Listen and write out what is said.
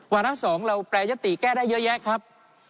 วาระ๒เราแปรยติแก้ได้เยอะแยะครับ